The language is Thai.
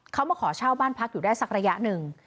เขามาขอเช่าบ้านพักอยู่ได้สักระยะหนึ่ง